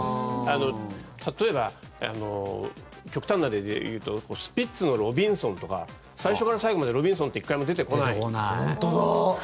例えば、極端な例で言うとスピッツの「ロビンソン」とか最初から最後までロビンソンって１回も出てこない。